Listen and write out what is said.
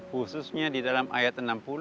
khususnya di dalam ayat enam puluh delapan puluh dua